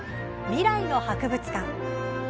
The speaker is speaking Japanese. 「未来の博物館」。